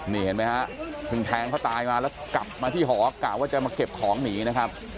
นี่เห็นไหมฮะเพิ่งแทงเขาตายมาแล้วกลับมาที่หอกะว่าจะมาเก็บของหนีนะครับ